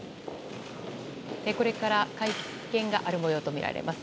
これから会見がある模様とみられます。